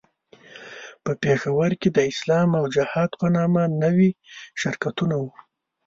په پېښور کې د اسلام او جهاد په نامه نوي شرکتونه وو.